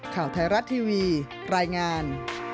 ข่าวไทยรัฐทีวีรายงาน